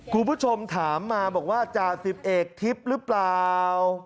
กูผู้ชมถามมาบอกว่าจะ๑๑ทิศหรือเปล่า